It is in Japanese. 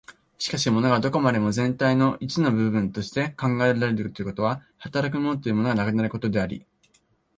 しかし物がどこまでも全体的一の部分として考えられるということは、働く物というものがなくなることであり、